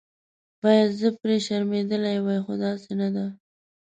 باید زه پرې شرمېدلې وای خو داسې نه ده.